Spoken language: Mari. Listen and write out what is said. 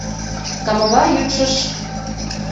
— Самовар йӱкшыш.